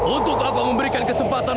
untuk apa memberikan kesempatan